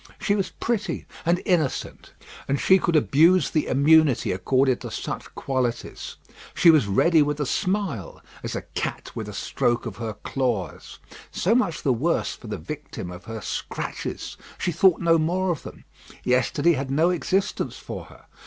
She was pretty and innocent; and she could abuse the immunity accorded to such qualities. She was ready with a smile, as a cat with a stroke of her claws. So much the worse for the victim of her scratches. She thought no more of them. Yesterday had no existence for her.